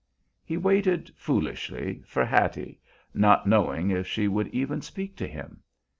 He waited foolishly for Hetty, not knowing if she would even speak to him.